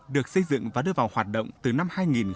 được xây dựng và đưa vào hoạt động từ năm hai nghìn một mươi